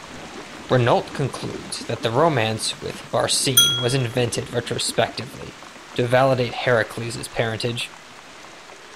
Renault concludes that the romance with Barsine was invented retrospectively to validate Heracles' parentage.